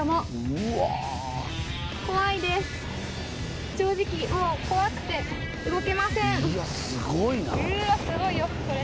うわっすごいよこれ。